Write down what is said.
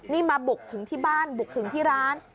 นี่มาบุกถึงที่บ้านบุกถึงที่ร้าน